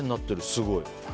すごい。